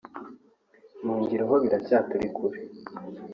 mu ngiro ho biracyaturi kure